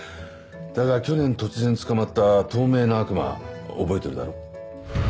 だが去年突然捕まった透明な悪魔覚えてるだろ？